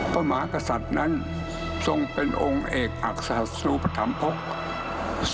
พระมหากษัตริย์นั้นทรงเป็นองค์เอกอักษาสรูปธรรมภก